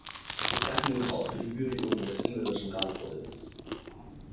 Ich danke Ihnen auch für die Würdigungen des ungarischen Ratsvorsitzes.